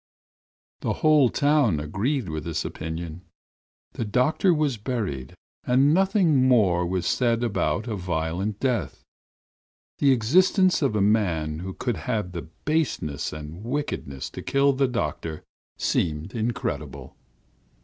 "The whole town agreed with this opinion. The doctor was buried, and nothing more was said about a violent death. The existence of a man who could have the baseness and wickedness to kill the doctor seemed incredible.